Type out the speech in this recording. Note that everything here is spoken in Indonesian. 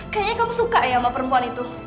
kayaknya kamu suka ya sama perempuan itu